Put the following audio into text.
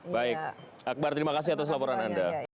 baik akbar terima kasih atas laporan anda